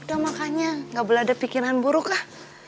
udah makanya gak boleh ada pikiran buruk kah